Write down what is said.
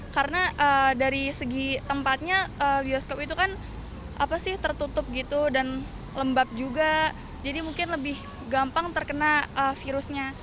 karena dari segi tempatnya bioskop itu kan tertutup gitu dan lembab juga jadi mungkin lebih gampang terkena virusnya